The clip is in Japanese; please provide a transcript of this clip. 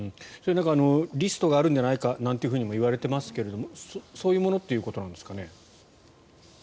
リストがあるんじゃないかと言われていますがそういうものということですか。